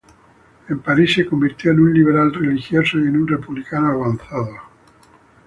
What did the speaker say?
En París se convirtió en un liberal religioso y en un republicano avanzado.